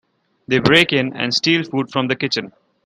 They break in and steal food from the kitchen.